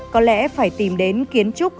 có lẽ phải tìm đến kiến trúc